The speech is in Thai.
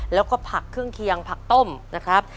แล้วก็ผักเครื่องเคียงผักต้มนะครับ